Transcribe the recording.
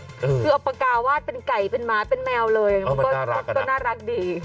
คือเอาปากกาวาดเป็นไก่เป็นหมาเป็นแมวเลยมันก็น่ารักดี